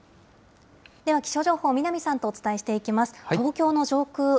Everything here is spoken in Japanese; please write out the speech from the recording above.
では気象情報、南さんとお伝えしていきます。